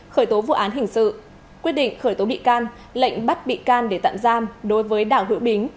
khởi tố vụ án hình sự quyết định khởi tố bị can lệnh bắt bị can để tạm giam đối với đảng hữu bính